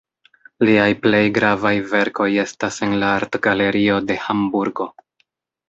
Liaj plej gravaj verkoj estas en la Artgalerio de Hamburgo.